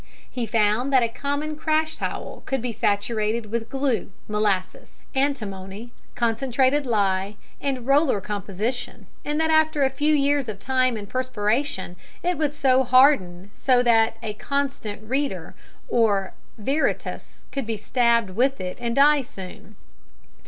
He found that a common crash towel could be saturated with glue, molasses, antimony, concentrated lye, and roller composition, and that after a few years of time and perspiration it would harden so that "A Constant Reader" or "Veritas" could be stabbed with it and die soon.